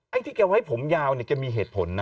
ไอ้ที่แกไว้ผมยาวเนี่ยแกมีเหตุผลนะ